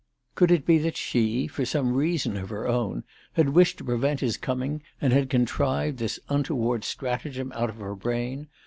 Could it be that she, for some reason of her own, had wished to prevent his coming, and had contrived this untoward stratagem out of her brain